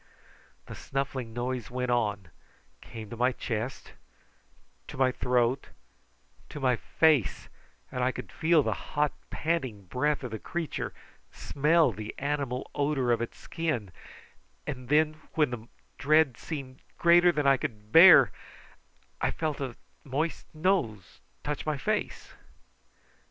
The snuffling noise went on; came to my chest, to my throat, to my face; and I could feel the hot panting breath of the creature, smell the animal odour of its skin; and then, when the dread seemed greater than I could bear, I felt a moist nose touch my face.